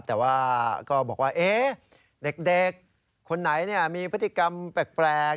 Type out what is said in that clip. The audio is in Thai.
แต่ว่าก็บอกว่าเด็กคนไหนมีพฤติกรรมแปลก